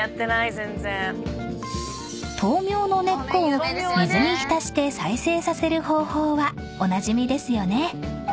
［豆苗の根っこを水に浸して再生させる方法はおなじみですよね］